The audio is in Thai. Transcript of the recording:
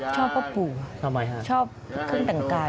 ชอบพ่อผู้ทำไมครับชอบเครื่องแต่งกาย